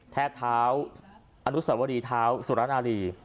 แทะเท้าอนุสัววิธีเท้าสุระนาลี